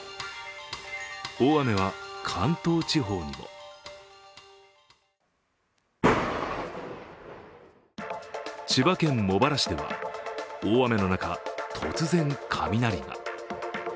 大雨は、関東地方にも千葉県茂原市では大雨の中突然、雷が。